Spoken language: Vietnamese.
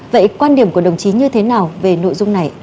vậy quan điểm của đồng chí như thế nào về nội dung này